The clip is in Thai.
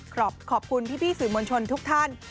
ขอบคุณพี่ฟี้ศึมนชนทุกท่าน